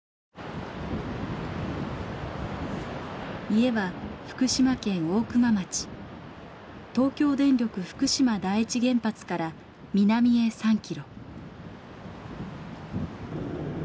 家は福島県大熊町東京電力福島第一原発から南へ３キロ。